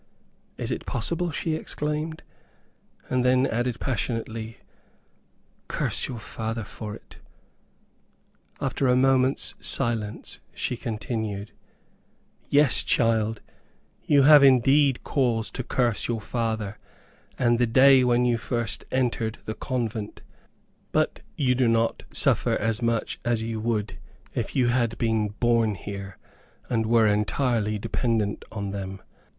"Is it possible?" she exclaimed, and then added passionately, "Curse your father for it." After a moments silence, she continued, "Yes, child; you have indeed cause to curse your father, and the day when you first entered the convent; but you do not suffer as much as you would if you had been born here, and were entirely dependent on them.